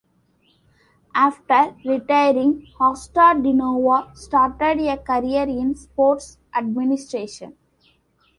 After retiring Kostadinova started a career in sports administration.